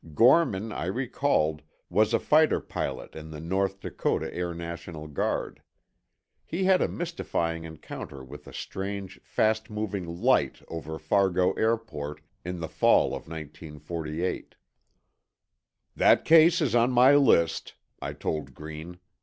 Gorman, I recalled, was a fighter pilot in the North Dakota Air National Guard. He had a mystifying encounter with a strange, fast moving "light" over Fargo Airport in the fall of 1948. "That case is on my list," I told Green.